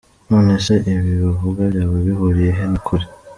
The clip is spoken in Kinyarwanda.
None se ibi bavuga byaba bihuriye he n’ukuri?.